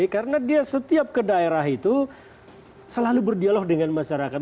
karena dia setiap ke daerah itu selalu berdialog dengan masyarakat